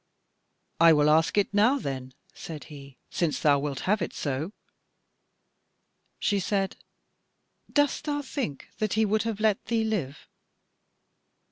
"I will ask it now, then," said he, "since thou wilt have it so." She said: "Dost thou think that he would have let thee live?"